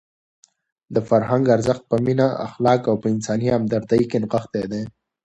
د فرهنګ ارزښت په مینه، اخلاص او په انساني همدردۍ کې نغښتی دی.